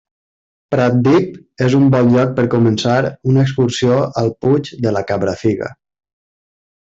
Pratdip és un bon lloc per començar una excursió al Puig de la Cabrafiga.